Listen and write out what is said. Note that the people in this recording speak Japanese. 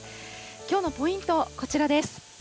きょうのポイントこちらです。